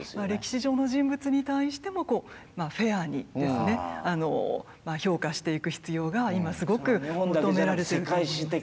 歴史上の人物に対してもフェアにですね評価していく必要が今すごく求められてると思います。